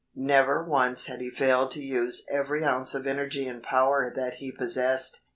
Never once had he failed to use every ounce of energy and power that he possessed.